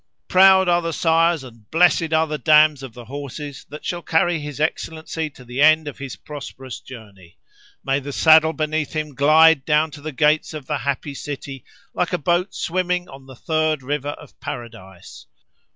—Proud are the sires, and blessed are the dams of the horses that shall carry his Excellency to the end of his prosperous journey. May the saddle beneath him glide down to the gates of the happy city, like a boat swimming on the third river of Paradise.